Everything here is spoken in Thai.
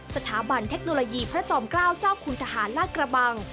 สถาบันเทคโนโลยีพระจอมเกล้าเจ้าคุณทหารลากระบัง